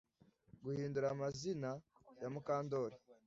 guhindura amazina ya MUKANDORI